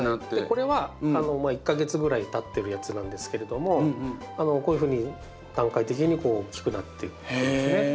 これは１か月ぐらいたってるやつなんですけれどもこういうふうに段階的に大きくなっていくんですね。